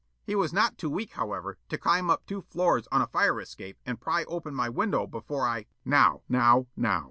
He was not too weak, however, to climb up two floors on a fire escape and pry open my window before I, " Counsel: "Now, now, now!